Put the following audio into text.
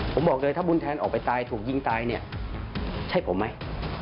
ผมบอกเลยถ้าบุญแทนออกไปตายถูกยิงตายเนี่ยใช่ผมไหม